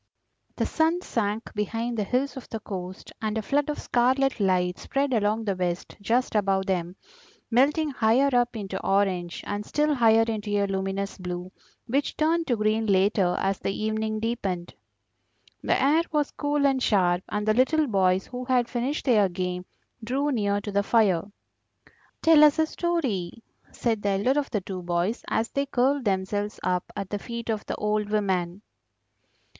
The sun sank behind the hills of the coast, and a flood of scarlet light spread along the West just above them, melting higher up into orange, and still higher into a luminous blue, which turned to green later as the evening deepened. The air was cool and sharp, and the little boys, who had finished their game, drew near to the fire. "Tell us a story," said the elder of the two boys, as they curled themselves up at the feet of the old woman.